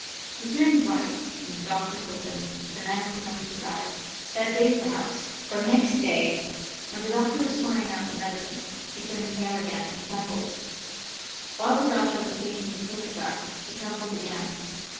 "He turned white when the doctor told him that the man was going to die that day, perhaps, or next day. When the doctor was pouring out the medicine he turned pale again and trembled. While the doctor was taking the photograph he trembled again.